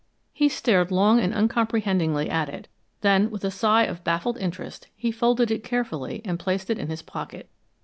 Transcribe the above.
He stared long and uncomprehendingly at it; then with a sigh of baffled interest he folded it carefully and placed it in his pocket.